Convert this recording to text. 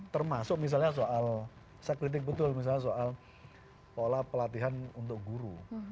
termasuk misalnya soal saya kritik betul misalnya soal pola pelatihan untuk guru